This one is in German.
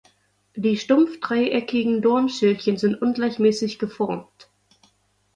Die stumpf dreieckigen Dornschildchen sind ungleichmäßig geformt.